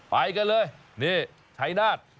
ไปกันเลยเนี่ยไทนาธ